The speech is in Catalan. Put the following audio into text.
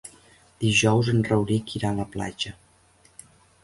Dijous en Rauric irà a la platja.